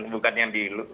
bukan yang dilukai